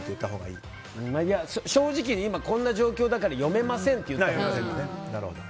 正直に今、こんな状況だから読めませんって言います。